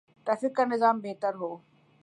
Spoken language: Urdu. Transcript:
ٹریفک کا نظام بہتر ہو۔